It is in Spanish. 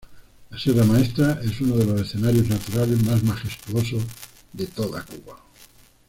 La Sierra Maestra es uno de los escenarios naturales más majestuosos de toda Cuba.